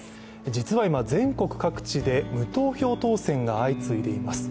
実は今、全国各地で無投票当選が相次いでいます。